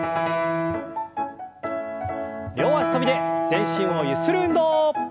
両脚跳びで全身をゆする運動。